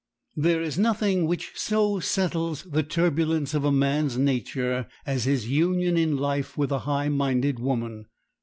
There is nothing which so settles the turbulence of a man's nature as his union in life with a high minded woman.